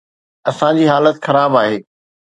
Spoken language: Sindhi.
اسان جي حالت خراب آهي.